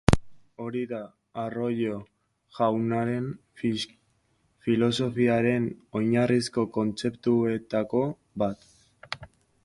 Hori da Arroyo jaunaren filosofiaren oinarrizko kontzeptuetako bat.